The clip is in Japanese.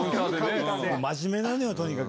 真面目なのよとにかく。